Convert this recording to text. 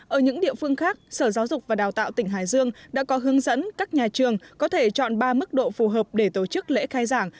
ở những địa phương khác sở giáo dục và đào tạo tỉnh hải dương đã có hướng dẫn các nhà trường có thể chọn ba mức độ phù hợp để tổ chức lễ khai giảng